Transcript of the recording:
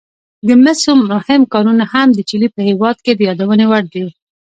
د مسو مهم کانونه هم د چیلي په هېواد کې د یادونې وړ دي.